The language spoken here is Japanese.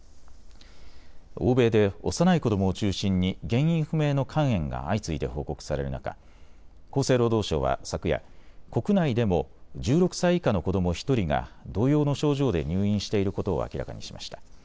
欧米で幼い子どもを中心に原因不明の肝炎が相次いで報告される中、厚生労働省は昨夜、国内でも１６歳以下の子ども１人が同様の症状で入院していることを明らかにしました。